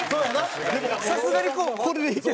さすがにこれでいけます。